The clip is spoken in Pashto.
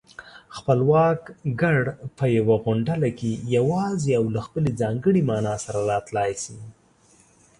خپلواک گړ په يوه غونډله کې يواځې او له خپلې ځانګړې مانا سره راتلای